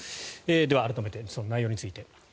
では、改めてその内容について。